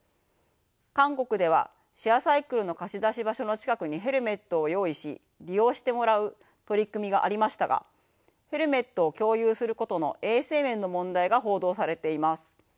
韓国ではシェアサイクルの貸し出し場所の近くにヘルメットを用意し利用してもらう取り組みがありましたがヘルメットを共有することの衛生面の問題が報道されています。